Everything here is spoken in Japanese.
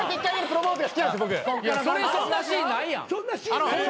それそんなシーンないやん。